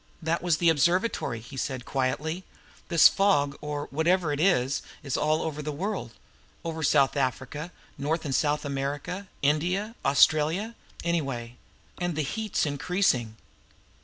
"That was the Observatory," he said quietly. "This fog, or whatever it is, is all over the world over South Africa, North and South America, India, Australia, anyway. And the heat's increasing."